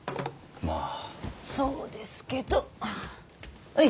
まあそうですけどおい